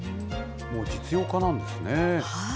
もう実用化なんですね。